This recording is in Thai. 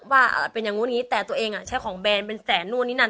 ว่าเป็นอย่างนู้นอย่างนี้แต่ตัวเองใช้ของแบรนด์เป็นแสนนู่นนี่นั่น